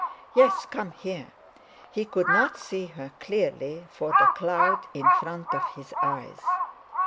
"Yes, come here"; he could not see her clearly, for the cloud in front of his eyes.